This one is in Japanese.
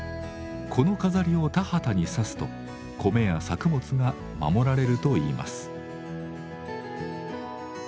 この飾りを田畑にさすと米や作物が守られるといいます。